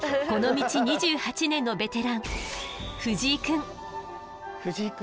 この道２８年のベテラン藤井くん。